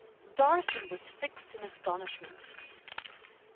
Darcy was fixed in astonishment.